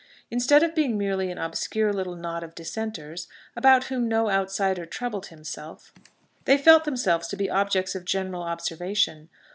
Instead of being merely an obscure little knot of Dissenters, about whom no outsider troubled himself, they felt themselves to be objects of general observation.